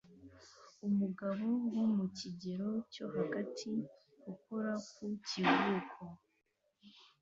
umugabo wo mu kigero cyo hagati ukora ku kivuko